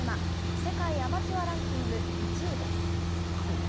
世界アマチュアランキング１位です。